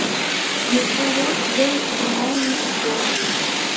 Йоча-влак йол йымалнышт пӧрдыт.